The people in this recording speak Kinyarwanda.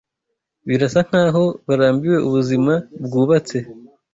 Birasa nkaho barambiwe ubuzima bwubatse.